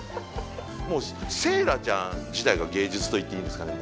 もうセーラちゃん自体が芸術と言っていいんですかね